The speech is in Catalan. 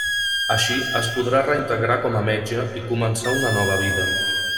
Així, es podrà reintegrar com a metge i començar una nova vida.